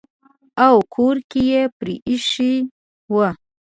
او کور کلی یې پرې ایښی وو.